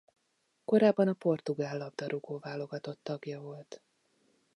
Korábban a Portugál labdarúgó-válogatott tagja volt.